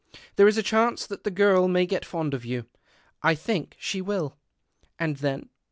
There is a chance that the girl may get fond of you. I think she will. And then